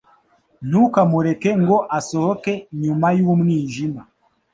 Ntukamureke ngo asohoke nyuma y'umwijima